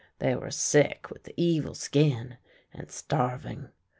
They were sick v^'ith the evil skin, and starving.